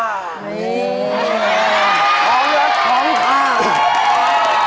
ของรักของข้า